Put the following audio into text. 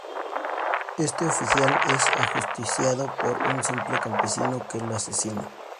Este oficial es ajusticiado por un simple campesino que lo asesina.